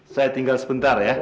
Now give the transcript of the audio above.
saya tinggal sebentar ya